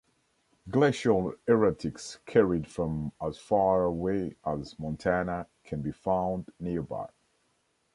Glacial erratics carried from as far away as Montana can be found nearby.